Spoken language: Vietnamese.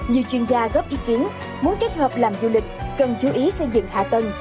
nhiều chuyên gia góp ý kiến muốn kết hợp làm du lịch cần chú ý xây dựng hạ tầng